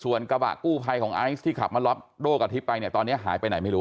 ส่วนกระบะกู้ภัยของไอซ์ที่ขับมารับโด่กับทิพย์ไปเนี่ยตอนนี้หายไปไหนไม่รู้